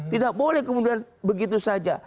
tidak boleh kemudian begitu saja